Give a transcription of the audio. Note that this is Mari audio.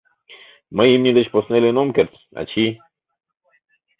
Мый имне деч посна илен ом керт, ачий!..